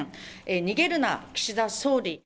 逃げるな、岸田総理。